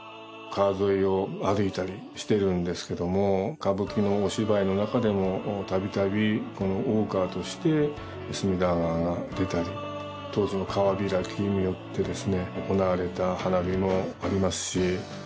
川沿いを歩いたりしてるんですけども歌舞伎のお芝居の中でもたびたびこの大川として隅田川が出たり当時の川開きによってですね行われた花火もありますし。